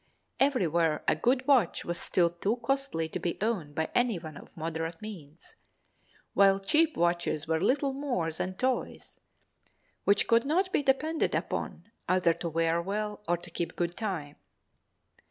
Everywhere a good watch was still too costly to be owned by anyone of moderate means, while cheap watches were little more than toys which could not be depended upon either to wear well or to keep good time.